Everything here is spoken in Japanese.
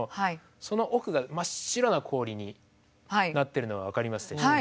その奥が真っ白な氷になっているのが分かりますでしょうか。